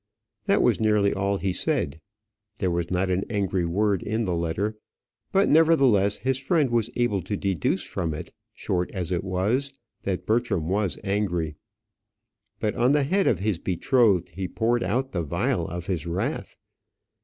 That was nearly all he said. There was not an angry word in the letter; but, nevertheless, his friend was able to deduce from it, short as it was, that Bertram was angry. But on the head of his betrothed he poured out the vial of his wrath.